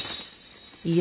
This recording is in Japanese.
いや。